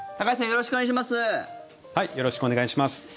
よろしくお願いします。